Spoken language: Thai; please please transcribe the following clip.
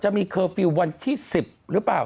เคมีเคอร์ฟิลล์วันที่๑๐หรือเปล่า